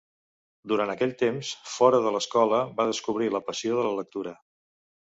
Durant aquell temps fora de l'escola, va descobrir la passió de la lectura.